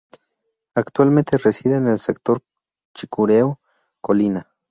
Actualmente, reside en el sector de Chicureo, Colina.